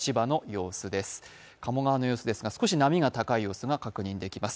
鴨川の様子ですが、少し波が高い様子が確認されます。